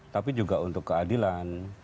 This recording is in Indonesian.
tapi juga untuk keadilan